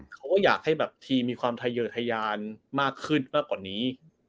เขาก็อยากให้แบบทีมมีความทะเยอทะยานมากขึ้นมากกว่านี้